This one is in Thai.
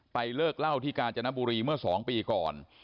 เลิกเล่าที่กาญจนบุรีเมื่อ๒ปีก่อน